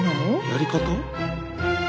やり方？